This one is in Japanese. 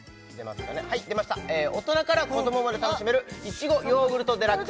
大人から子どもまで楽しめるいちごヨーグルトＤＸ